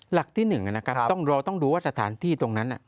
หลักที่๑นะครับต้องรอต้องดูว่าสถานที่ตรงนั้น